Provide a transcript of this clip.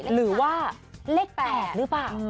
หรือว่าเลข๘หรือเปล่า